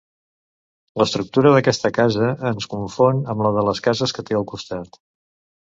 L'estructura d'aquesta casa ens confon amb la de les cases que té al costat.